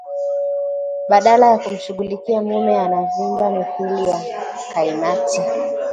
Badala ya kumshughulikia mume anavimba mithili ya kaimati